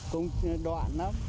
công đoạn lắm